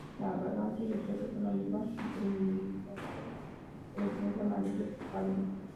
La garganta y el pecho son oliva grisáceo; el vientre amarillo pálido.